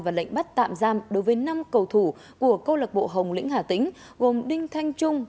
và lệnh bắt tạm giam đối với năm cầu thủ của câu lạc bộ hồng lĩnh hà tĩnh gồm đinh thanh trung